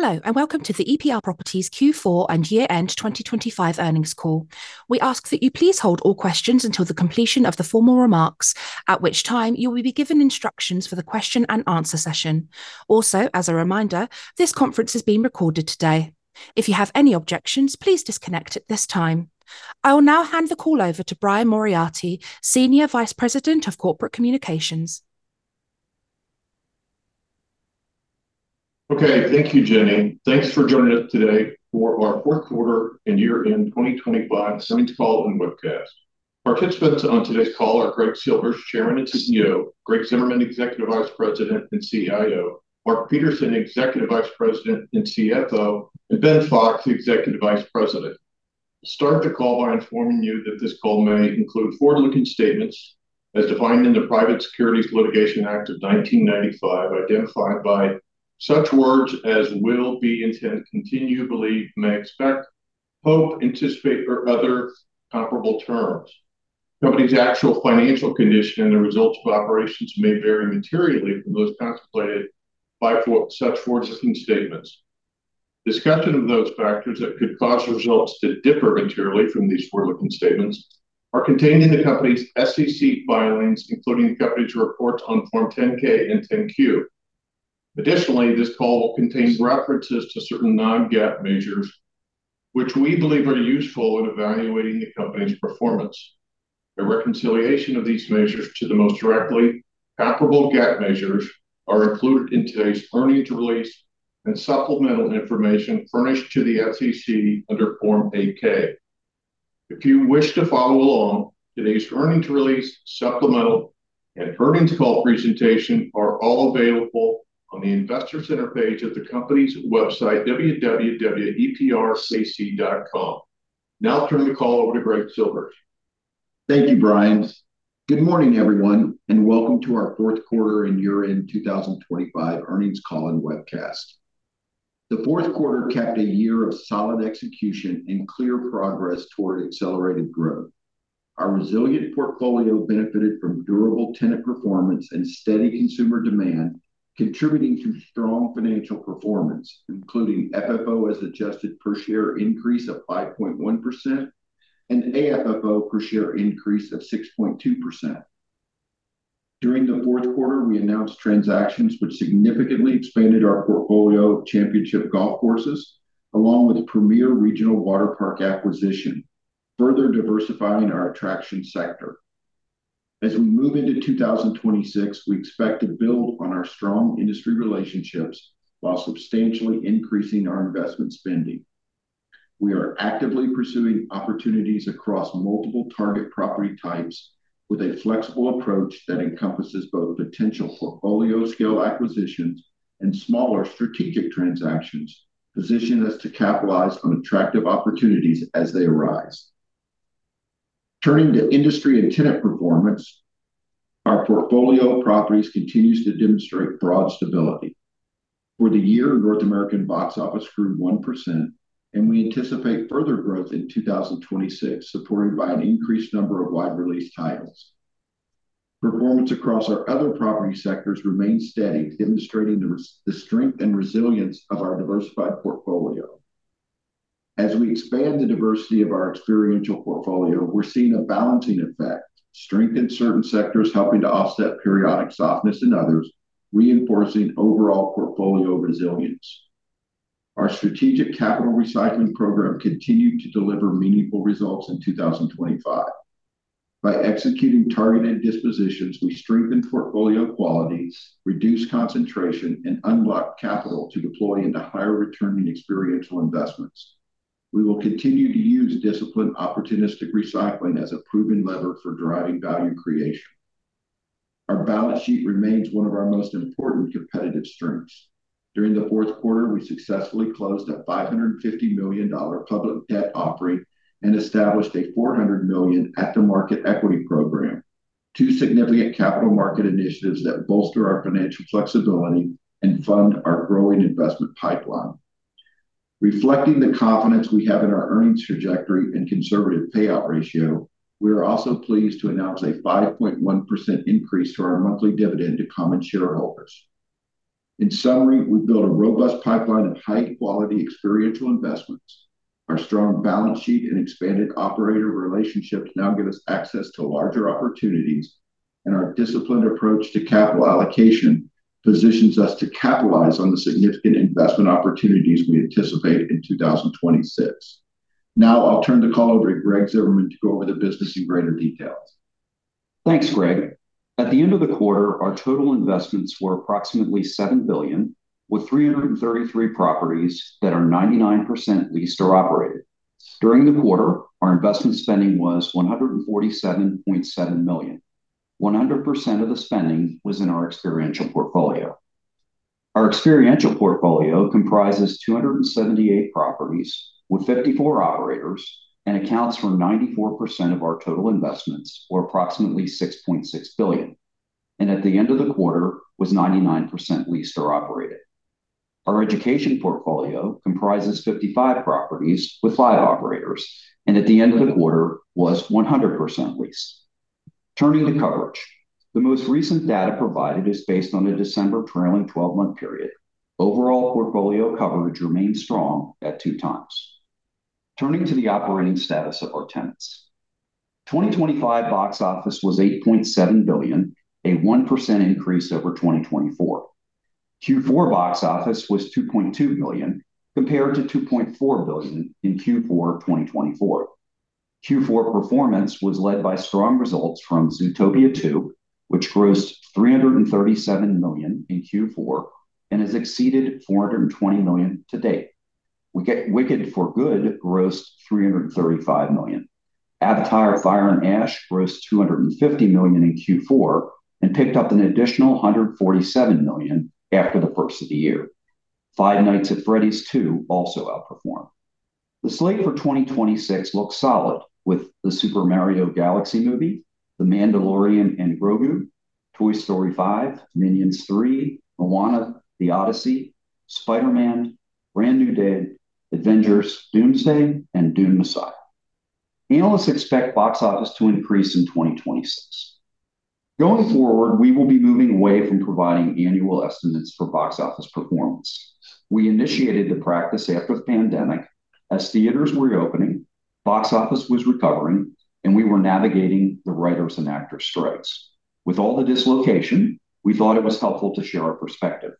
Hello, and welcome to the EPR Properties Q4 and Year-End 2025 Earnings Call. We ask that you please hold all questions until the completion of the formal remarks, at which time you will be given instructions for the question and answer session. As a reminder, this conference is being recorded today. If you have any objections, please disconnect at this time. I will now hand the call over to Brian Moriarty, Senior Vice President of Corporate Communications. Okay. Thank you, Jenny. Thanks for joining us today for our Fourth Quarter and Year-End 2025 Earnings Call and Webcast. Participants on today's call are Greg Silvers, Chairman and CEO; Greg Zimmerman, Executive Vice President and CIO; Mark Peterson, Executive Vice President and CFO; and Ben Fox, Executive Vice President. Start the call by informing you that this call may include forward-looking statements as defined in the Private Securities Litigation Reform Act of 1995, identified by such words as will be, intend, continue, believe, may expect, hope, anticipate, or other comparable terms. Company's actual financial condition and the results of operations may vary materially from those contemplated by such forward-looking statements. Discussion of those factors that could cause results to differ materially from these forward-looking statements are contained in the company's SEC filings, including the company's reports on Form 10-K and 10-Q. This call will contain references to certain non-GAAP measures, which we believe are useful in evaluating the company's performance. A reconciliation of these measures to the most directly comparable GAAP measures are included in today's earnings release and supplemental information furnished to the SEC under Form 8-K. If you wish to follow along, today's earnings release, supplemental, and earnings call presentation are all available on the Investor Center page at the company's website, www.eprc.com. I'll turn the call over to Greg Silvers. Thank you, Brian. Good morning, everyone, and welcome to our fourth quarter and year-end 2025 earnings call and webcast. The fourth quarter capped a year of solid execution and clear progress toward accelerated growth. Our resilient portfolio benefited from durable tenant performance and steady consumer demand, contributing to strong financial performance, including FFO as adjusted per share increase of 5.1% and AFFO per share increase of 6.2%. During the fourth quarter, we announced transactions which significantly expanded our portfolio of championship golf courses, along with a premier regional water park acquisition, further diversifying our attraction sector. As we move into 2026, we expect to build on our strong industry relationships while substantially increasing our investment spending. We are actively pursuing opportunities across multiple target property types with a flexible approach that encompasses both potential portfolio scale acquisitions and smaller strategic transactions, position us to capitalize on attractive opportunities as they arise. Turning to industry and tenant performance, our portfolio of properties continues to demonstrate broad stability. For the year, North American box office grew 1%, and we anticipate further growth in 2026, supported by an increased number of wide release titles. Performance across our other property sectors remained steady, demonstrating the strength and resilience of our diversified portfolio. As we expand the diversity of our experiential portfolio, we're seeing a balancing effect, strength in certain sectors helping to offset periodic softness in others, reinforcing overall portfolio resilience. Our strategic capital recycling program continued to deliver meaningful results in 2025. By executing targeted dispositions, we strengthened portfolio qualities, reduced concentration, and unlocked capital to deploy into higher returning experiential investments. We will continue to use disciplined, opportunistic recycling as a proven lever for driving value creation. Our balance sheet remains one of our most important competitive strengths. During the fourth quarter, we successfully closed a $550 million public debt offering and established a $400 million at-the-market equity program, two significant capital market initiatives that bolster our financial flexibility and fund our growing investment pipeline. Reflecting the confidence we have in our earnings trajectory and conservative payout ratio, we are also pleased to announce a 5.1% increase to our monthly dividend to common shareholders. In summary, we've built a robust pipeline of high-quality experiential investments. Our strong balance sheet and expanded operator relationships now give us access to larger opportunities, and our disciplined approach to capital allocation positions us to capitalize on the significant investment opportunities we anticipate in 2026. I'll turn the call over to Greg Zimmerman to go over the business in greater detail. Thanks, Greg. At the end of the quarter, our total investments were approximately $7 billion, with 333 properties that are 99% leased or operated. During the quarter, our investment spending was $147.7 million. 100% of the spending was in our experiential portfolio. Our experiential portfolio comprises 278 properties with 54 operators and accounts for 94% of our total investments, or approximately $6.6 billion, and at the end of the quarter, was 99% leased or operated. Our education portfolio comprises 55 properties with 5 operators, and at the end of the quarter was 100% leased. Turning to coverage. The most recent data provided is based on a December trailing 12-month period. Overall portfolio coverage remains strong at 2 times. Turning to the operating status of our tenants. 2025 box office was $8.7 billion, a 1% increase over 2024. Q4 box office was $2.2 billion, compared to $2.4 billion in Q4 2024. Q4 performance was led by strong results from Zootopia 2, which grossed $337 million in Q4 and has exceeded $420 million to date. Wicked: For Good grossed $335 million. Avatar: Fire and Ash grossed $250 million in Q4 and picked up an additional $147 million after the first of the year. Five Nights at Freddy's 2 also outperformed. The slate for 2026 looks solid, with The Super Mario Galaxy Movie, The Mandalorian & Grogu, Toy Story 5, Minions 3, Moana 2, The Odyssey, Spider-Man: Brand New Day, Avengers: Doomsday, and Dune Messiah. Analysts expect box office to increase in 2026. Going forward, we will be moving away from providing annual estimates for box office performance. We initiated the practice after the pandemic. As theaters were reopening, box office was recovering, and we were navigating the writers and actors strikes. With all the dislocation, we thought it was helpful to share our perspective.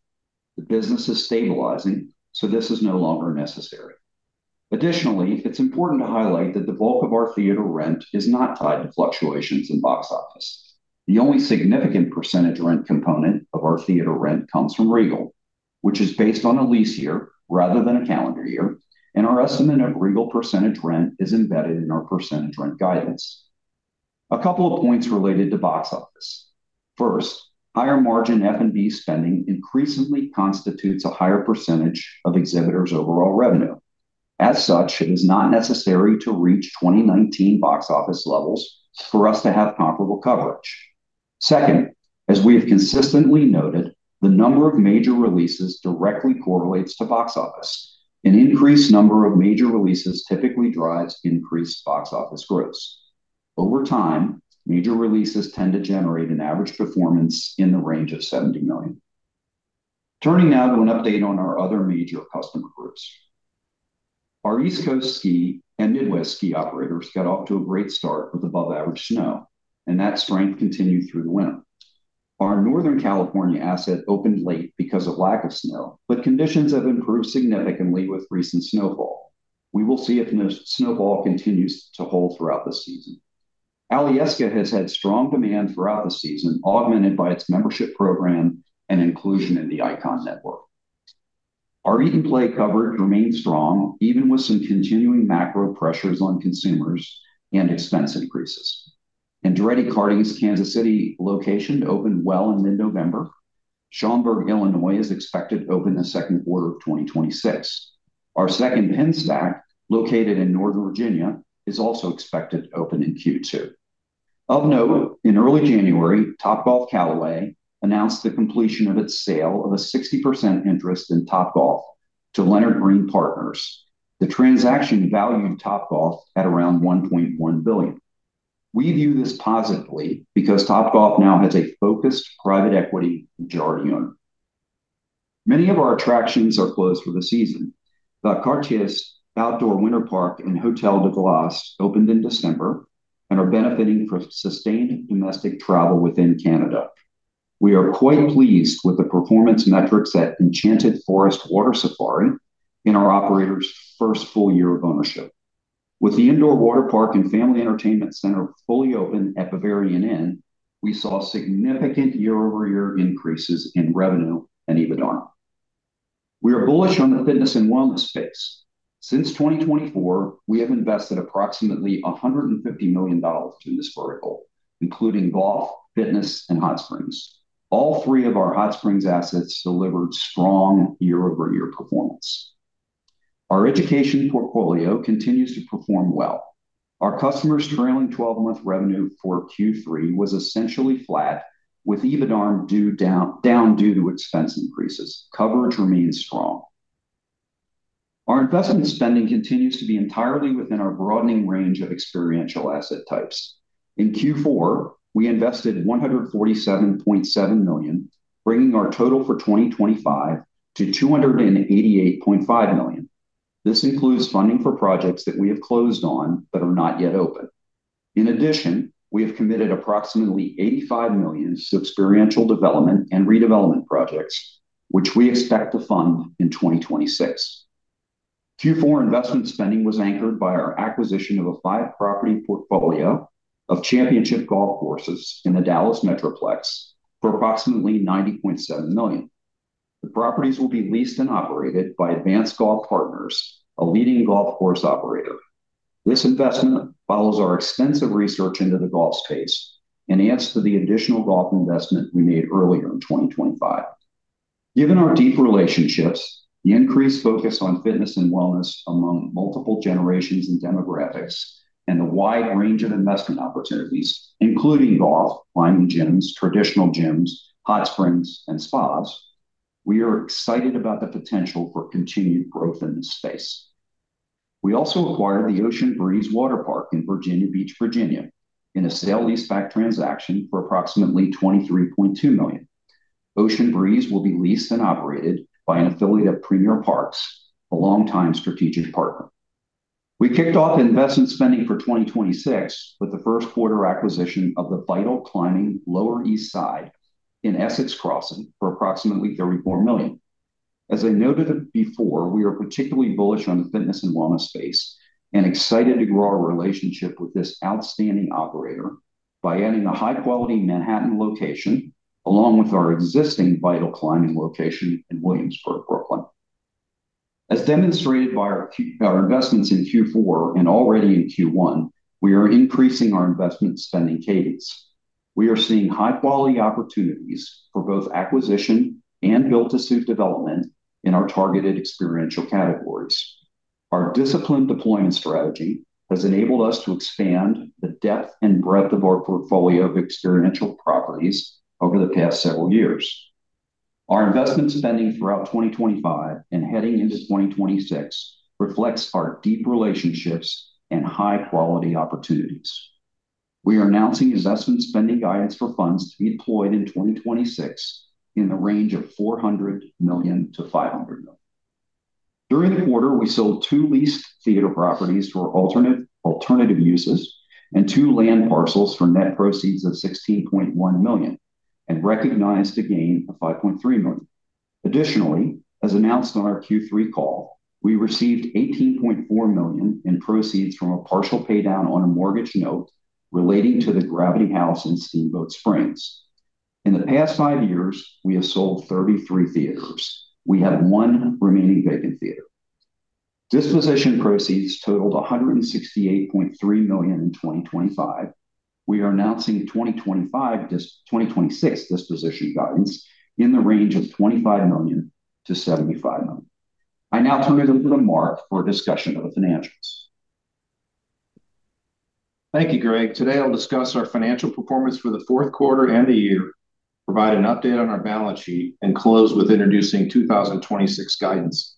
The business is stabilizing, this is no longer necessary. It's important to highlight that the bulk of our theater rent is not tied to fluctuations in box office. The only significant percentage rent component of our theater rent comes from Regal, which is based on a lease year rather than a calendar year, and our estimate of Regal percentage rent is embedded in our percentage rent guidance. A couple of points related to box office. First, higher margin F&B spending increasingly constitutes a higher percentage of exhibitors' overall revenue. As such, it is not necessary to reach 2019 box office levels for us to have comparable coverage. Second, as we have consistently noted, the number of major releases directly correlates to box office. An increased number of major releases typically drives increased box office gross. Over time, major releases tend to generate an average performance in the range of $70 million. Turning now to an update on our other major customer groups. Our East Coast ski and Midwest ski operators got off to a great start with above-average snow. That strength continued through the winter. Our Northern California asset opened late because of lack of snow. Conditions have improved significantly with recent snowfall. We will see if the snowfall continues to hold throughout the season. Alyeska has had strong demand throughout the season, augmented by its membership program and inclusion in the Ikon Network. Our Eat and Play coverage remains strong, even with some continuing macro pressures on consumers and expense increases. Andretti Karting's Kansas City location opened well in mid-November. Schaumburg, Illinois, is expected to open in the second quarter of 2026. Our second Pinstack, located in Northern Virginia, is also expected to open in Q2. Of note, in early January, Topgolf Callaway announced the completion of its sale of a 60% interest in Topgolf to Leonard Green & Partners. The transaction valued Topgolf at around $1.1 billion. We view this positively because Topgolf now has a focused private equity majority owner. Many of our attractions are closed for the season, but Valcartier's outdoor winter park and Hôtel de Glace opened in December and are benefiting from sustained domestic travel within Canada. We are quite pleased with the performance metrics at Enchanted Forest Water Safari in our operator's first full year of ownership. With the indoor water park and family entertainment center fully open at Bavarian Inn, we saw significant year-over-year increases in revenue and EBITDA. We are bullish on the fitness and wellness space. Since 2024, we have invested approximately $150 million in this vertical, including golf, fitness, and hot springs. All three of our hot springs assets delivered strong year-over-year performance. Our education portfolio continues to perform well. Our customers' trailing twelve-month revenue for Q3 was essentially flat, with EBITDA down due to expense increases. Coverage remains strong. Our investment spending continues to be entirely within our broadening range of experiential asset types. Q4, we invested $147.7 million, bringing our total for 2025 to $288.5 million. This includes funding for projects that we have closed on but are not yet open. We have committed approximately $85 million to experiential development and redevelopment projects, which we expect to fund in 2026. Q4 investment spending was anchored by our acquisition of a five-property portfolio of championship golf courses in the Dallas Metroplex for approximately $90.7 million. The properties will be leased and operated by Advance Golf Partners, a leading golf course operator. This investment follows our extensive research into the golf space and adds to the additional golf investment we made earlier in 2025. Given our deep relationships, the increased focus on fitness and wellness among multiple generations and demographics, and the wide range of investment opportunities, including golf, climbing gyms, traditional gyms, hot springs, and spas, we are excited about the potential for continued growth in this space. We also acquired the Ocean Breeze Waterpark in Virginia Beach, Virginia, in a sale leaseback transaction for approximately $23.2 million. Ocean Breeze will be leased and operated by an affiliate of Premier Parks, a long-time strategic partner. We kicked off investment spending for 2026 with the first quarter acquisition of the VITAL Climbing Lower East Side in Essex Crossing for approximately $34 million. As I noted before, we are particularly bullish on the fitness and wellness space, and excited to grow our relationship with this outstanding operator by adding a high-quality Manhattan location, along with our existing VITAL Climbing location in Williamsburg, Brooklyn. As demonstrated by our investments in Q4 and already in Q1, we are increasing our investment spending cadence. We are seeing high-quality opportunities for both acquisition and build-to-suit development in our targeted experiential categories. Our disciplined deployment strategy has enabled us to expand the depth and breadth of our portfolio of experiential properties over the past several years. Our investment spending throughout 2025 and heading into 2026 reflects our deep relationships and high-quality opportunities. We are announcing investment spending guidance for funds to be deployed in 2026 in the range of $400 million-$500 million. During the quarter, we sold two leased theater properties for alternative uses and two land parcels for net proceeds of $16.1 million and recognized a gain of $5.3 million. Additionally, as announced on our Q3 call, we received $18.4 million in proceeds from a partial paydown on a mortgage note relating to the Gravity Haus in Steamboat Springs. In the past five years, we have sold 33 theaters. We have one remaining vacant theater. Disposition proceeds totaled $168.3 million in 2025. We are announcing 2026 disposition guidance in the range of $25 million-$75 million. I now turn it over to Mark for a discussion of the financials. Thank you, Greg. Today, I'll discuss our financial performance for the fourth quarter and the year, provide an update on our balance sheet, and close with introducing 2026 guidance.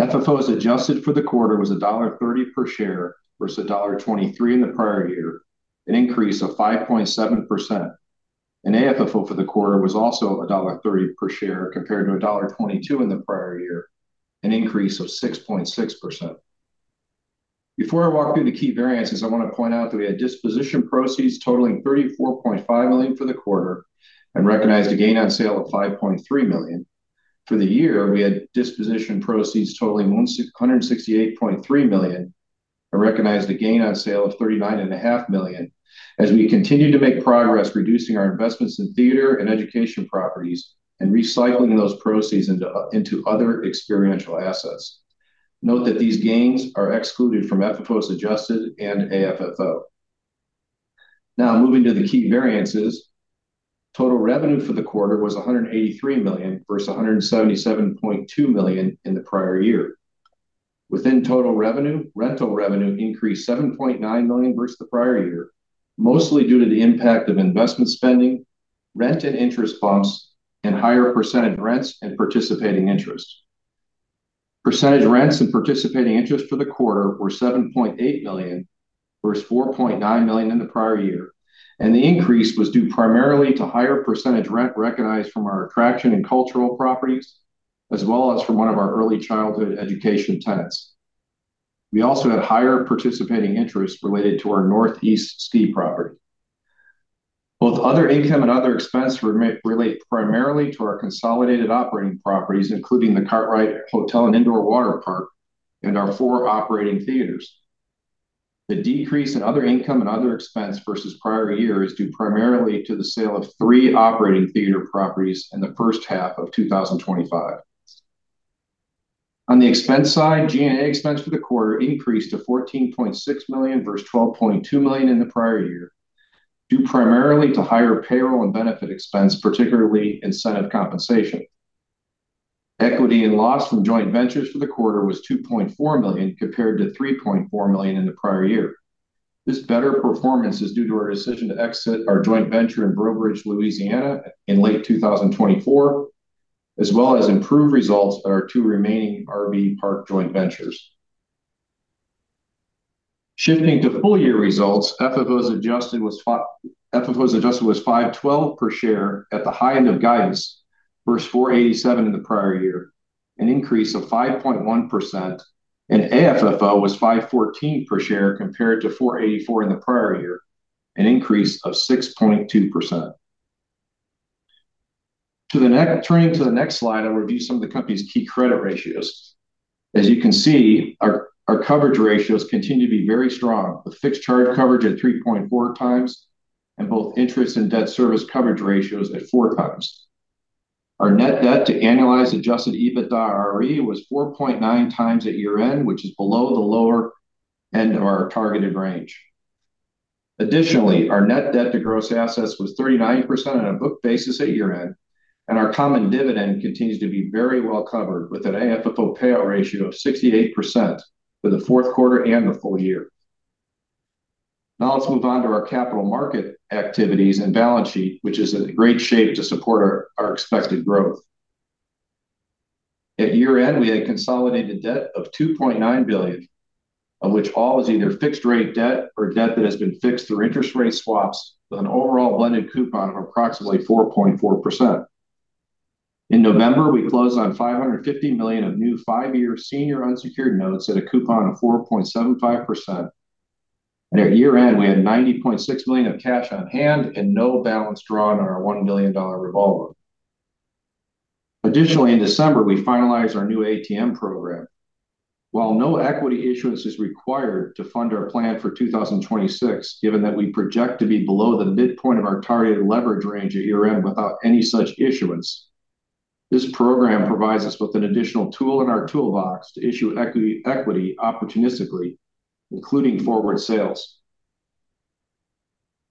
FFOs adjusted for the quarter was $1.30 per share versus $1.23 in the prior year, an increase of 5.7%. AFFO for the quarter was also $1.30 per share, compared to $1.22 in the prior year, an increase of 6.6%. Before I walk through the key variances, I want to point out that we had disposition proceeds totaling $34.5 million for the quarter and recognized a gain on sale of $5.3 million. For the year, we had disposition proceeds totaling $168.3 million, and recognized a gain on sale of $39 and a half million. As we continue to make progress, reducing our investments in theater and education properties and recycling those proceeds into other experiential assets. Note that these gains are excluded from FFO as adjusted and AFFO. Moving to the key variances, total revenue for the quarter was $183 million versus $177.2 million in the prior year. Within total revenue, rental revenue increased $7.9 million versus the prior year, mostly due to the impact of investment spending, rent and interest bumps, and higher percentage rents and participating interest. Percentage rents and participating interest for the quarter were $7.8 million versus $4.9 million in the prior year, the increase was due primarily to higher percentage rent recognized from our attraction and cultural properties, as well as from one of our early childhood education tenants. We also had higher participating interests related to our Northeast ski property. Both other income and other expense relate primarily to our consolidated operating properties, including The Kartrite Hotel and Indoor Water Park and our four operating theaters. The decrease in other income and other expense versus prior year is due primarily to the sale of three operating theater properties in the first half of 2025. On the expense side, G&A expense for the quarter increased to $14.6 million versus $12.2 million in the prior year, due primarily to higher payroll and benefit expense, particularly incentive compensation. Equity and loss from joint ventures for the quarter was $2.4 million, compared to $3.4 million in the prior year. This better performance is due to our decision to exit our joint venture in Breaux Bridge, Louisiana, in late 2024, as well as improved results at our two remaining RV park joint ventures. Shifting to full year results, FFO as adjusted was $5.12 per share at the high end of guidance versus $4.87 in the prior year, an increase of 5.1%, and AFFO was $5.14 per share compared to $4.84 in the prior year, an increase of 6.2%. Turning to the next slide, I'll review some of the company's key credit ratios. As you can see, our coverage ratios continue to be very strong, with fixed charge coverage at 3.4 times, and both interest and debt service coverage ratios at 4 times. Our net debt to annualized adjusted EBITDARE was 4.9 times at year-end, which is below the lower end of our targeted range. Additionally, our net debt to gross assets was 39% on a book basis at year-end, and our common dividend continues to be very well covered, with an AFFO payout ratio of 68% for the fourth quarter and the full year. Now let's move on to our capital market activities and balance sheet, which is in great shape to support our expected growth. At year-end, we had consolidated debt of $2.9 billion, of which all is either fixed-rate debt or debt that has been fixed through interest rate swaps, with an overall blended coupon of approximately 4.4%. In November, we closed on $550 million of new five-year senior unsecured notes at a coupon of 4.75%. At year-end, we had $90.6 million of cash on hand and no balance drawn on our $1 million revolver. Additionally, in December, we finalized our new ATM program. While no equity issuance is required to fund our plan for 2026, given that we project to be below the midpoint of our targeted leverage range at year-end without any such issuance, this program provides us with an additional tool in our toolbox to issue equity opportunistically, including forward sales.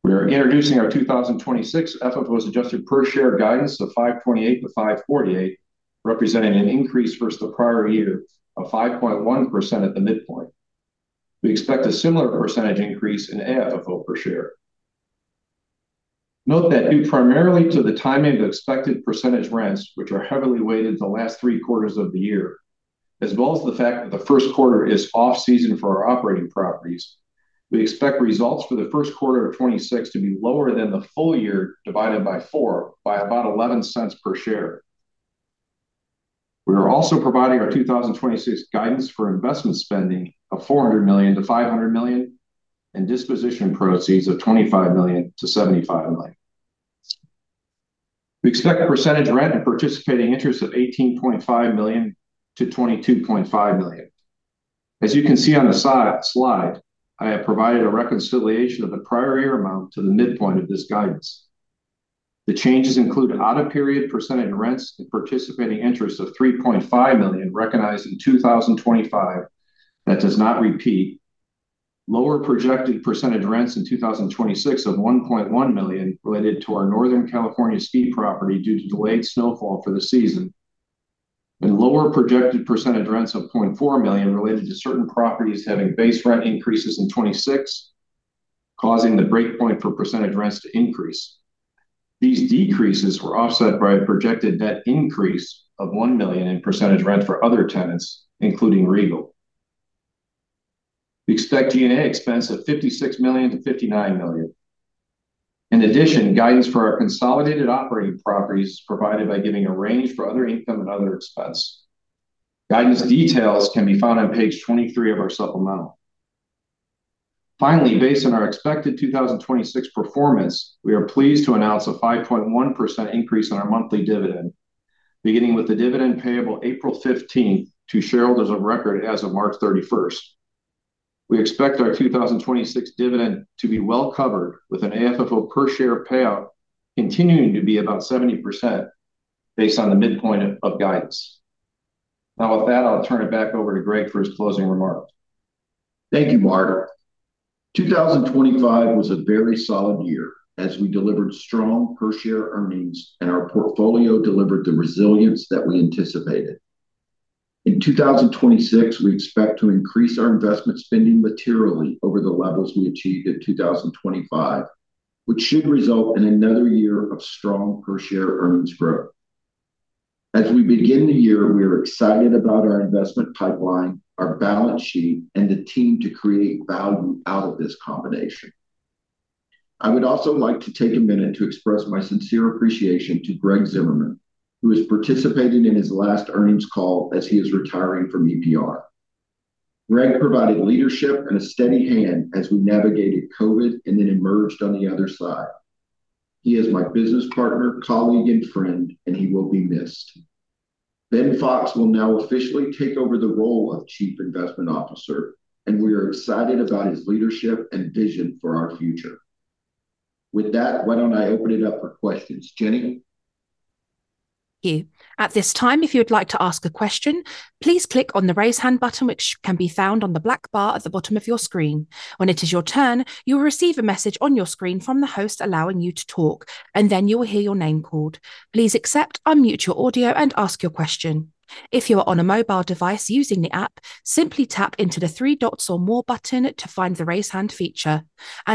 We are introducing our 2026 FFO as adjusted per share guidance of $5.28-$5.48, representing an increase versus the prior year of 5.1% at the midpoint. We expect a similar % increase in AFFO per share. Note that due primarily to the timing of expected % rents, which are heavily weighted in the last 3 quarters of the year, as well as the fact that the first quarter is off-season for our operating properties, we expect results for the first quarter of 2026 to be lower than the full year divided by 4 by about $0.11 per share. We are also providing our 2026 guidance for investment spending of $400 million-$500 million, and disposition proceeds of $25 million-$75 million. We expect a % rent and participating interest of $18.5 million-$22.5 million. As you can see on the slide, I have provided a reconciliation of the prior year amount to the midpoint of this guidance. The changes include an out-of-period percentage rents and participating interest of $3.5 million recognized in 2025 that does not repeat. Lower projected percentage rents in 2026 of $1.1 million related to our Northern California speed property due to delayed snowfall for the season. Lower projected percentage rents of $0.4 million related to certain properties having base rent increases in 2026, causing the breakpoint for percentage rents to increase. These decreases were offset by the projected net increase of $1 million in percentage rent for other tenants, including Regal. We expect G&A expense of $56 million-$59 million. In addition, guidance for our consolidated operating properties is provided by giving a range for other income and other expense. Guidance details can be found on page 23 of our supplemental. Finally, based on our expected 2026 performance, we are pleased to announce a 5.1% increase in our monthly dividend, beginning with the dividend payable April 15th to shareholders of record as of March 31st. We expect our 2026 dividend to be well covered, with an AFFO per share payout continuing to be about 70% based on the midpoint of guidance. With that, I'll turn it back over to Greg for his closing remarks. Thank you, Mark. 2025 was a very solid year as we delivered strong per share earnings and our portfolio delivered the resilience that we anticipated. 2026, we expect to increase our investment spending materially over the levels we achieved in 2025, which should result in another year of strong per share earnings growth. We begin the year, we are excited about our investment pipeline, our balance sheet, and the team to create value out of this combination. I would also like to take a minute to express my sincere appreciation to Greg Zimmerman, who is participating in his last earnings call as he is retiring from EPR. Greg provided leadership and a steady hand as we navigated COVID and then emerged on the other side. He is my business partner, colleague, and friend, he will be missed. Ben Fox will now officially take over the role of Chief Investment Officer, and we are excited about his leadership and vision for our future. With that, why don't I open it up for questions? Jenny? Thank you. At this time, if you would like to ask a question, please click on the Raise Hand button, which can be found on the black bar at the bottom of your screen. When it is your turn, you will receive a message on your screen from the host, allowing you to talk, and then you will hear your name called. Please accept, unmute your audio, and ask your question. If you are on a mobile device using the app, simply tap into the 3 dots or More button to find the Raise Hand feature.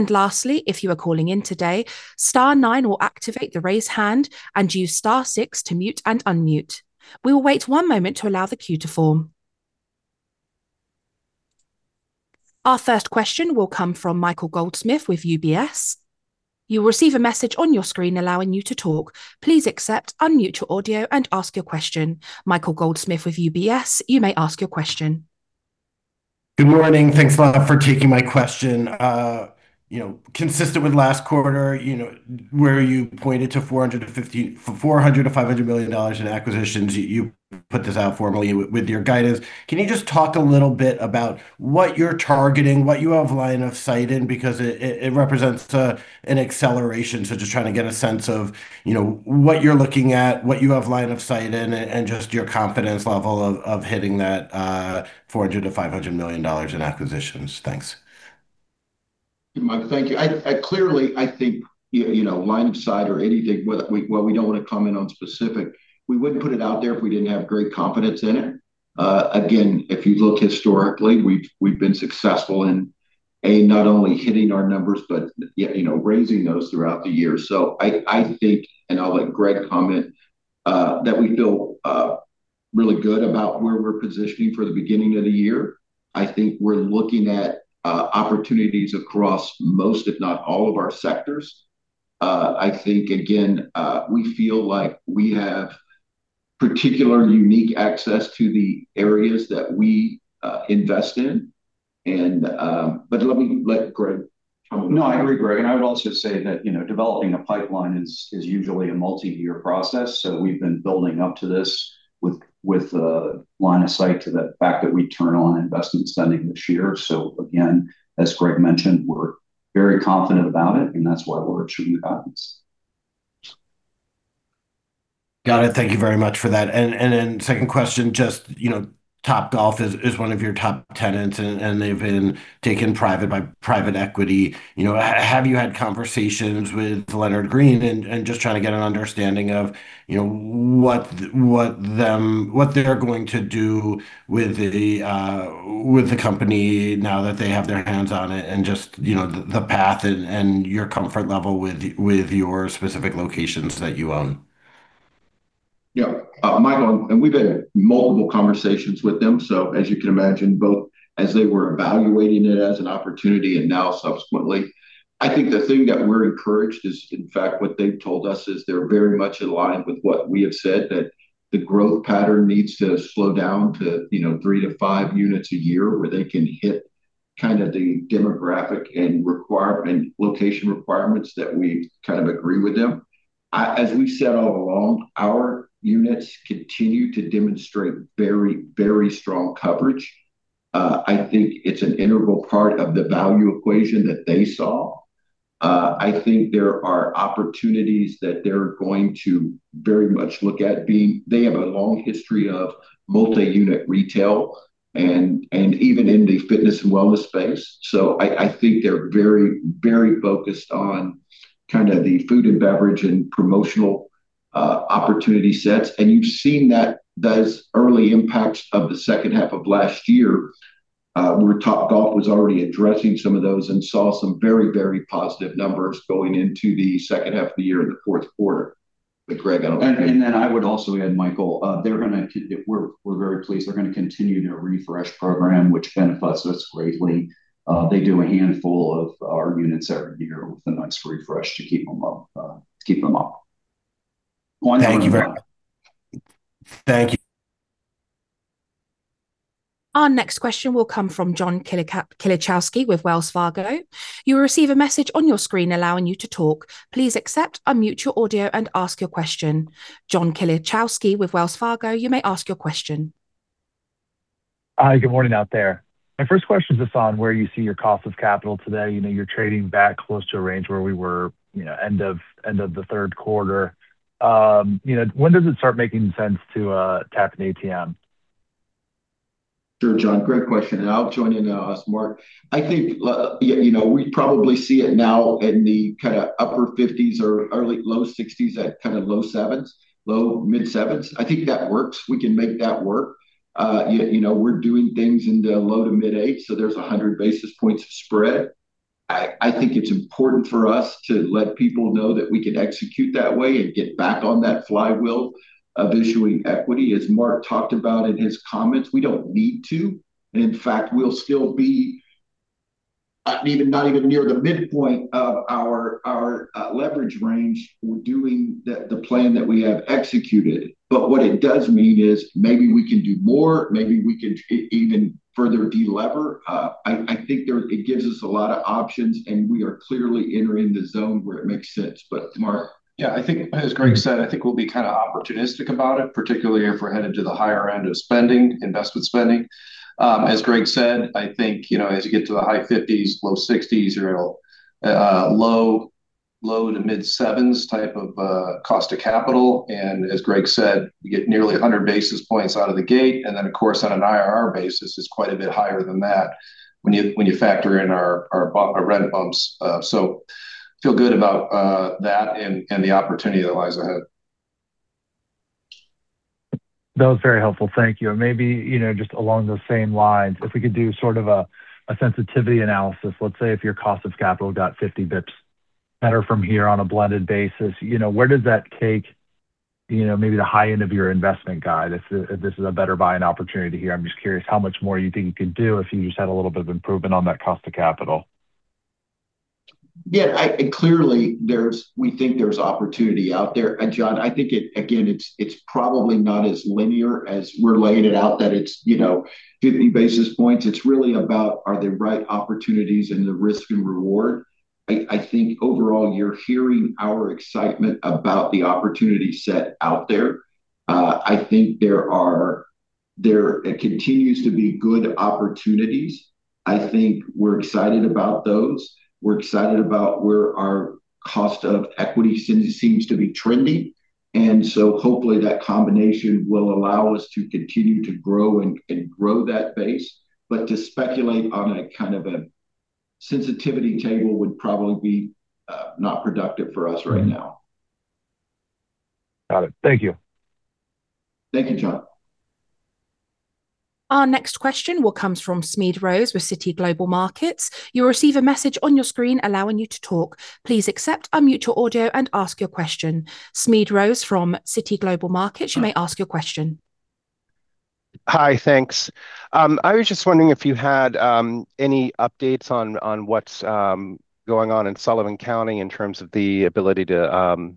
Lastly, if you are calling in today, star nine will activate the Raise Hand and use star six to mute and unmute. We will wait 1 moment to allow the queue to form. Our first question will come from Michael Goldsmith with UBS. You will receive a message on your screen allowing you to talk. Please accept, unmute your audio, and ask your question. Michael Goldsmith with UBS, you may ask your question. Good morning. Thanks a lot for taking my question. you know, consistent with last quarter, you know, where you pointed to $400 million-$500 million in acquisitions, you put this out formally with your guidance. Can you just talk a little bit about what you're targeting, what you have line of sight in? It represents an acceleration. Just trying to get a sense of, you know, what you're looking at, what you have line of sight in, and just your confidence level of hitting that $400 million-$500 million in acquisitions. Thanks. Mike, thank you. I clearly, I think, you know, line of sight or anything, we don't want to comment on specific. We wouldn't put it out there if we didn't have great confidence in it. Again, if you look historically, we've been successful in, A, not only hitting our numbers, but yet, you know, raising those throughout the year. I think, and I'll let Greg comment, that we feel really good about where we're positioning for the beginning of the year. I think we're looking at opportunities across most, if not all, of our sectors. I think, again, we feel like we have particular unique access to the areas that we invest in. Let me let Greg comment. No, I agree, Greg. I would also say that, you know, developing a pipeline is usually a multi-year process. We've been building up to this with a line of sight to the fact that we turn on investment spending this year. Again, as Greg mentioned, we're very confident about it. That's why we're achieving balance. Got it. Thank you very much for that. Second question, just, you know, Topgolf is one of your top tenants, and they've been taken private by private equity. You know, have you had conversations with Leonard Green? Just trying to get an understanding of, you know, what they're going to do with the company now that they have their hands on it, and just, you know, the path and your comfort level with your specific locations that you own. Michael, we've had multiple conversations with them. As you can imagine, both as they were evaluating it as an opportunity and now subsequently. I think the thing that we're encouraged is, in fact, what they've told us is they're very much aligned with what we have said, that the growth pattern needs to slow down to, you know, three to five units a year, where they can hit kind of the demographic and location requirements that we kind of agree with them. As we've said all along, our units continue to demonstrate very strong coverage. I think it's an integral part of the value equation that they saw. I think there are opportunities that they're going to very much look at, being they have a long history of multi-unit retail and even in the fitness and wellness space. I think they're very, very focused on kind of the food and beverage and promotional opportunity sets. You've seen that, those early impacts of the second half of last year, where Topgolf was already addressing some of those and saw some very, very positive numbers going into the second half of the year in the fourth quarter. Greg, I don't know- I would also add, Michael, We're very pleased. They're gonna continue their refresh program, which benefits us greatly. They do a handful of our units every year with a nice refresh to keep them up. Thank you very much. Thank you. Our next question will come from John Kilichowski with Wells Fargo. You will receive a message on your screen allowing you to talk. Please accept, unmute your audio, and ask your question. John Kilichowski with Wells Fargo, you may ask your question. Hi, good morning out there. My first question is on where you see your cost of capital today. You know, you're trading back close to a range where we were, you know, end of the third quarter. You know, when does it start making sense to tap an ATM? Sure, John, great question. I'll join in as Mark. I think, you know, we probably see it now in the kind of upper 50s or early low 60s at kind of low 7s, low, mid-7s. I think that works. We can make that work. You know, we're doing things in the low to mid 8s, so there's 100 basis points of spread. I think it's important for us to let people know that we can execute that way and get back on that flywheel of issuing equity. As Mark talked about in his comments, we don't need to. In fact, we'll still be even not even near the midpoint of our leverage range. We're doing the plan that we have executed. What it does mean is maybe we can do more, maybe we can even further de-lever. I think it gives us a lot of options, and we are clearly entering the zone where it makes sense. Mark? Yeah, I think, as Greg said, I think we'll be kind of opportunistic about it, particularly if we're headed to the higher end of spending, investment spending. As Greg said, I think, you know, as you get to the high 50s, low 60s, or low to mid-sevens type of cost of capital, and as Greg said, you get nearly 100 basis points out of the gate. Then, of course, on an IRR basis, it's quite a bit higher than that when you factor in our rent bumps. Feel good about that and the opportunity that lies ahead. That was very helpful. Thank you. Maybe, you know, just along those same lines, if we could do a sensitivity analysis. Let's say, if your cost of capital got 50 basis points better from here on a blended basis, you know, where does that take, you know, maybe the high end of your investment guide, if this is a better buying opportunity here? I'm just curious, how much more you think you could do if you just had a little bit of improvement on that cost of capital? Clearly, we think there's opportunity out there. John, I think it, again, it's probably not as linear as we're laying it out, that it's, you know, 50 basis points. It's really about, are they right opportunities and the risk and reward? I think overall, you're hearing our excitement about the opportunity set out there. I think there continues to be good opportunities. I think we're excited about those. We're excited about where our cost of equity seems to be trending, and so hopefully that combination will allow us to continue to grow and grow that base. To speculate on a kind of a sensitivity table would probably be not productive for us right now. Got it. Thank you. Thank you, John. Our next question will comes from Smedes Rose with Citi Global Markets. You'll receive a message on your screen allowing you to talk. Please accept, unmute your audio, and ask your question. Smedes Rose from Citi Global Markets, you may ask your question. Hi, thanks. I was just wondering if you had any updates on what's going on in Sullivan County in terms of the ability to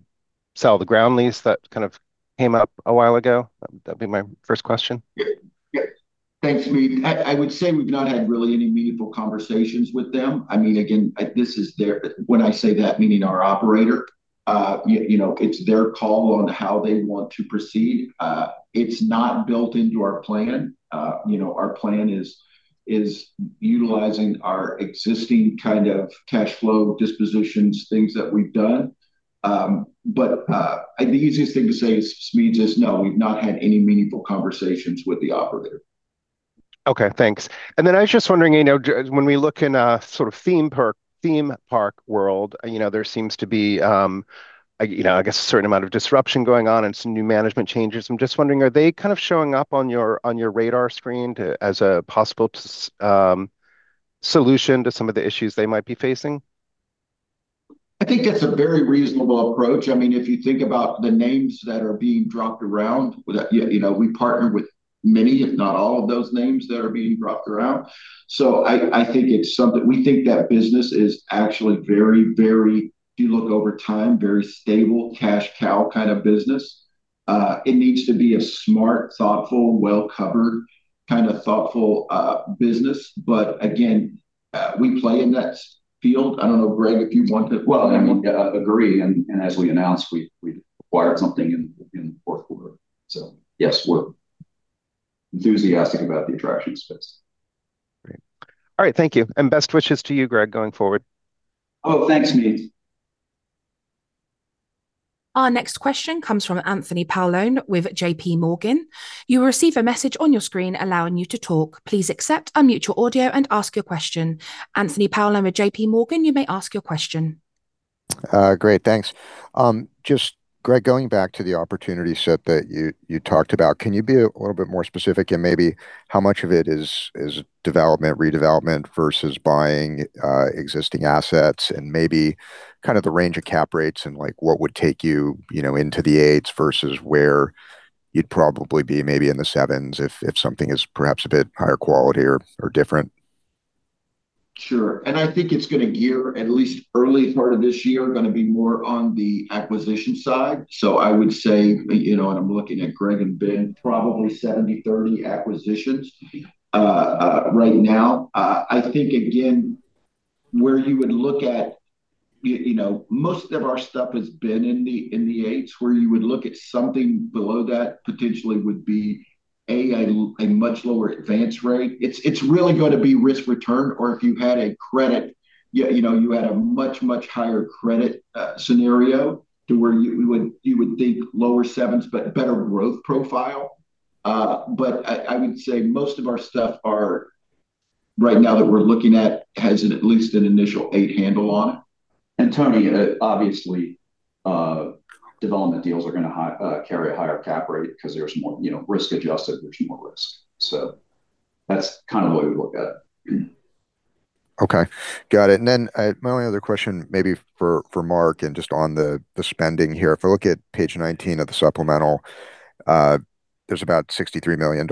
sell the ground lease that kind of came up a while ago. That'd be my first question. Yeah. Thanks, Smedes. I would say we've not had really any meaningful conversations with them. I mean, again, when I say that, meaning our operator, you know, it's their call on how they want to proceed. It's not built into our plan. You know, our plan is utilizing our existing kind of cash flow, dispositions, things that we've done. But, the easiest thing to say, Smedes, is no, we've not had any meaningful conversations with the operator. Okay, thanks. Then I was just wondering, you know, when we look in a sort of theme park world, you know, there seems to be, you know, I guess a certain amount of disruption going on and some new management changes. I'm just wondering, are they kind of showing up on your, on your radar screen as a possible solution to some of the issues they might be facing? I think that's a very reasonable approach. I mean, if you think about the names that are being dropped around, that, yeah, you know, we partner with many, if not all, of those names that are being dropped around. I think it's something. We think that business is actually very, if you look over time, very stable cash cow kind of business. It needs to be a smart, thoughtful, well-covered, kind of thoughtful business. Again, we play in that field. I don't know, Greg, if you want to. Well, I would agree, and as we announced, we acquired something in the fourth quarter. Yes, we're enthusiastic about the attraction space. Great. All right, thank you, and best wishes to you, Greg, going forward. Oh, thanks, Smedes. Our next question comes from Anthony Paolone with J.P. Morgan. You will receive a message on your screen allowing you to talk. Please accept, unmute your audio, and ask your question. Anthony Paolone with J.P. Morgan, you may ask your question. Great, thanks. Just, Greg, going back to the opportunity set that you talked about, can you be a little bit more specific in maybe how much of it is development, redevelopment, versus buying existing assets? Maybe kind of the range of cap rates and, like, what would take you know, into the eights versus where you'd probably be maybe in the sevens if something is perhaps a bit higher quality or different? Sure. I think it's gonna gear, at least early part of this year, gonna be more on the acquisition side. I would say, you know, and I'm looking at Greg and Ben, probably 70/30 acquisitions right now. I think, again, where you would look at, you know, most of our stuff has been in the 8s, where you would look at something below that potentially would be a much lower advance rate. It's really gonna be risk return. If you had a credit, yeah, you know, you had a much higher credit scenario to where you would think lower 7s, but better growth profile. I would say most of our stuff are, right now that we're looking at, has at least an initial 8 handle on it. Tony, obviously, development deals are gonna carry a higher cap rate because there's more, you know, risk adjusted, there's more risk. That's kind of the way we look at it. Okay, got it. My only other question, maybe for Mark, and just on the spending here. If I look at page 19 of the supplemental, there's about $63 million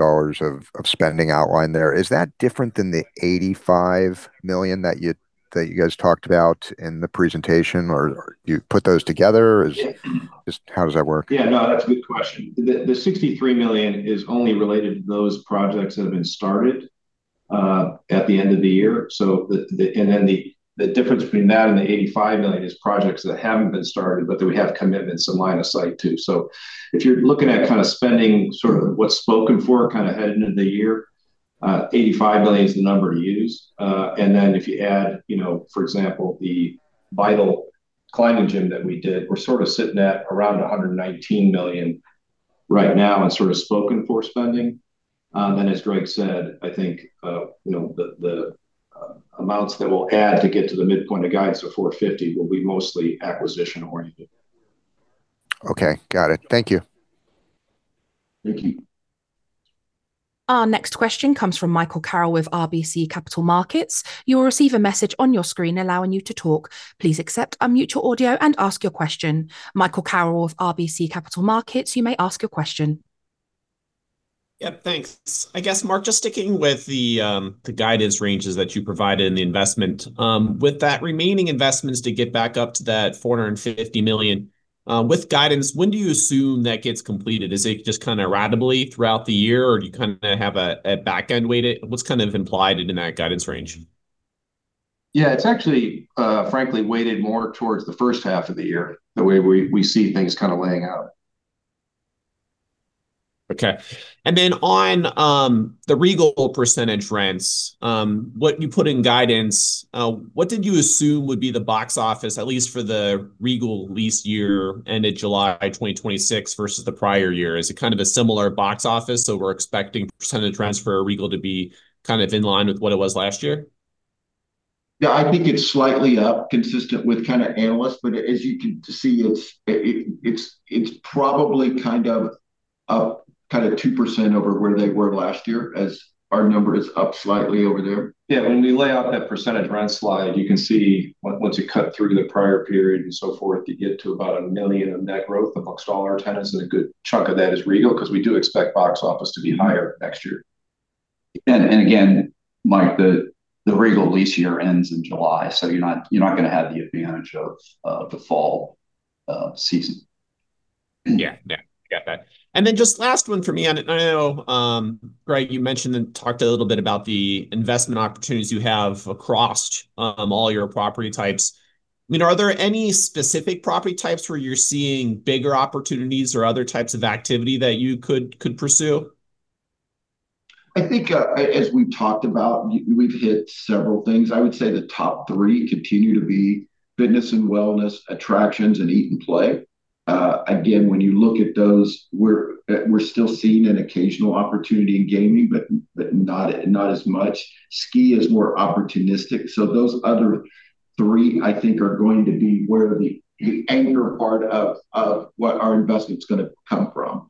of spending outlined there. Is that different than the $85 million that you, that you guys talked about in the presentation, or do you put those together? how does that work? Yeah, no, that's a good question. The $63 million is only related to those projects that have been started at the end of the year. The difference between that and the $85 million is projects that haven't been started, but that we have commitments and line of sight to. If you're looking at kind of spending, sort of what's spoken for kind of heading into the year, $85 million is the number to use. If you add, you know, for example, the VITAL Climbing Gym that we did, we're sort of sitting at around $119 million right now in sort of spoken for spending. As Greg said, I think the amounts that we'll add to get to the midpoint of guidance of 450 will be mostly acquisition oriented. Okay, got it. Thank you. Thank you. Our next question comes from Michael Carroll with RBC Capital Markets. You will receive a message on your screen allowing you to talk. Please accept, unmute your audio, and ask your question. Michael Carroll with RBC Capital Markets, you may ask your question. Yep, thanks. I guess, Mark, just sticking with the guidance ranges that you provided in the investment. With that remaining investments to get back up to that $450 million, with guidance, when do you assume that gets completed? Is it just kind of ratably throughout the year, or do you kind of have a back end weight it? What's kind of implied in that guidance range? Yeah, it's actually, frankly, weighted more towards the first half of the year, the way we see things kind of laying out. Okay. On, the Regal percentage rents, what you put in guidance, what did you assume would be the box office, at least for the Regal lease year ended July 2026, versus the prior year? Is it kind of a similar box office, so we're expecting percentage rents for Regal to be kind of in line with what it was last year? Yeah, I think it's slightly up, consistent with kind of analysts, but as you can see, it's probably kind of, up kind of 2% over where they were last year, as our number is up slightly over there. Yeah, when we lay out that percentage rent slide, you can see once you cut through the prior period and so forth, you get to about $1 million of net growth amongst all our tenants, and a good chunk of that is Regal, 'cause we do expect box office to be higher next year. Again, Mike, the Regal lease year ends in July, so you're not gonna have the advantage of the fall season. Yeah. Yeah, got that. Just last one for me, and I know, Greg, you mentioned and talked a little bit about the investment opportunities you have across all your property types. I mean, are there any specific property types where you're seeing bigger opportunities or other types of activity that you could pursue? I think, as we've talked about, we've hit several things. I would say the top 3 continue to be fitness and wellness, attractions, and eat and play. Again, when you look at those, we're still seeing an occasional opportunity in gaming, but not as much. Ski is more opportunistic. Those other 3, I think, are going to be where the anchor part of what our investment's gonna come from.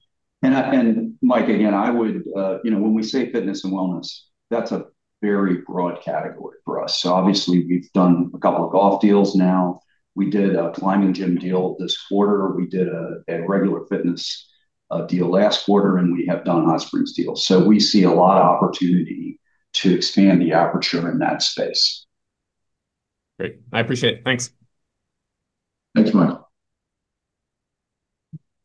Mike, again, I would, you know, when we say fitness and wellness, that's a very broad category for us. Obviously, we've done a couple of golf deals now. We did a climbing gym deal this quarter. We did a regular fitness deal last quarter, and we have done hot springs deals. We see a lot of opportunity to expand the aperture in that space. Great. I appreciate it. Thanks. Thanks, Mike.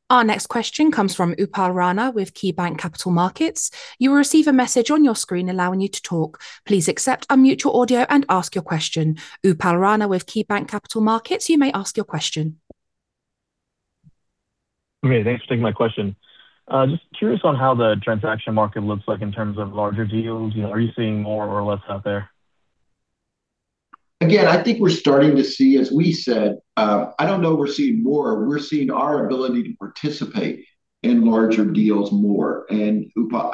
Our next question comes from Upal Rana with KeyBanc Capital Markets. You will receive a message on your screen allowing you to talk. Please accept, unmute your audio, and ask your question. Upal Rana with KeyBanc Capital Markets, you may ask your question. Great, thanks for taking my question. Just curious on how the transaction market looks like in terms of larger deals. You know, are you seeing more or less out there? Again, I think we're starting to see, as we said, I don't know we're seeing more, we're seeing our ability to participate in larger deals more. Upal,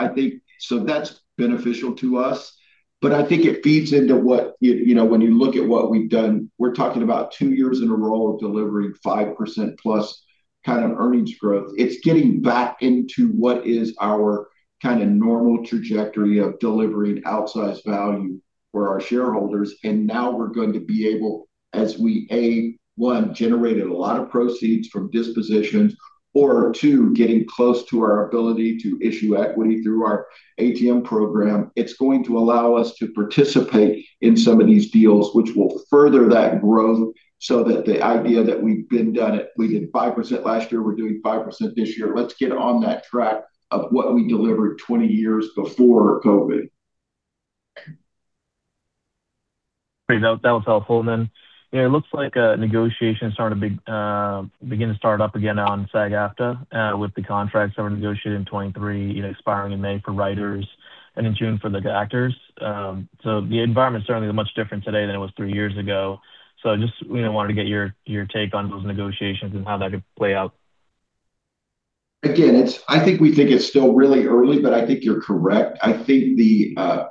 that's beneficial to us, but I think it feeds into what, you know, when you look at what we've done, we're talking about 2 years in a row of delivering 5% plus kind of earnings growth. It's getting back into what is our kind of normal trajectory of delivering outsized value for our shareholders, and now we're going to be able, as we, A, one, generated a lot of proceeds from dispositions, or two, getting close to our ability to issue equity through our ATM program. It's going to allow us to participate in some of these deals, which will further that growth, so that the idea that we've been done it. We did 5% last year, we're doing 5% this year. Let's get on that track of what we delivered 20 years before COVID. Great. That was helpful. You know, it looks like negotiations are starting to be begin to start up again on SAG-AFTRA with the contracts that were negotiated in 23, you know, expiring in May for writers and in June for the actors. The environment is certainly much different today than it was three years ago. I just, you know, wanted to get your take on those negotiations and how that could play out. Again, it's I think we think it's still really early, but I think you're correct. I think the...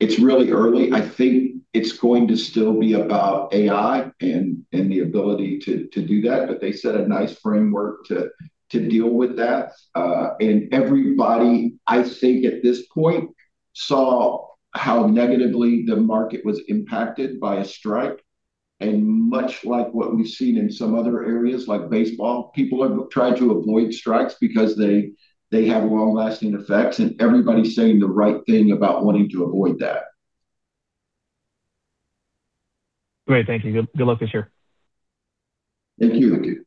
It's really early. I think it's going to still be about AI and the ability to do that, but they set a nice framework to deal with that. Everybody, I think, at this point, saw how negatively the market was impacted by a strike. Much like what we've seen in some other areas, like baseball, people have tried to avoid strikes because they have long-lasting effects, and everybody's saying the right thing about wanting to avoid that. Great. Thank you. Good, good luck this year. Thank you. Thank you.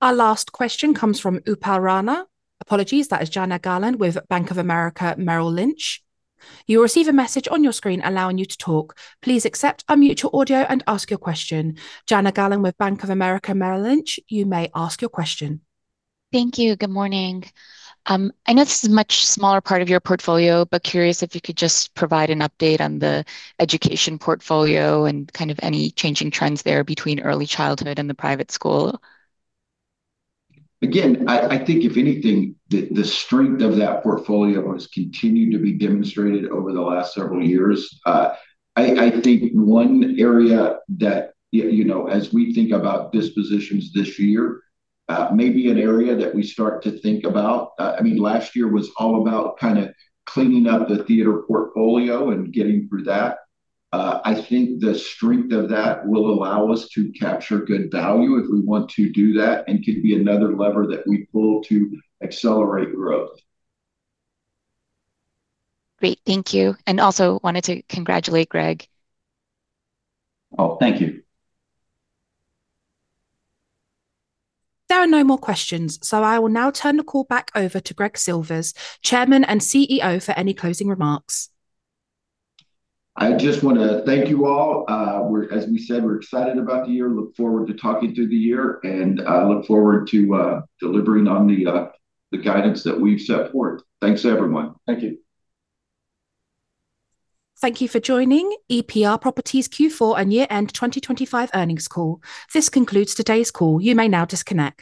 Our last question comes from Upal Rana. Apologies, that is Jana Galan with Bank of America, Merrill Lynch. You will receive a message on your screen allowing you to talk. Please accept, unmute your audio, and ask your question. Jana Galan with Bank of America, Merrill Lynch, you may ask your question. Thank you. Good morning. I know this is a much smaller part of your portfolio, but curious if you could just provide an update on the education portfolio and kind of any changing trends there between early childhood and the private school. I think if anything, the strength of that portfolio has continued to be demonstrated over the last several years. I think one area that, you know, as we think about dispositions this year, may be an area that we start to think about. I mean, last year was all about kind of cleaning up the theater portfolio and getting through that. I think the strength of that will allow us to capture good value if we want to do that, and could be another lever that we pull to accelerate growth. Great, thank you. Also wanted to congratulate Greg. Oh, thank you. There are no more questions, so I will now turn the call back over to Greg Silvers, Chairman and CEO, for any closing remarks. I just wanna thank you all. As we said, we're excited about the year. Look forward to talking through the year, and look forward to delivering on the guidance that we've set forth. Thanks, everyone. Thank you. Thank you for joining EPR Properties Q4 and Year-End 2025 Earnings Call. This concludes today's call. You may now disconnect.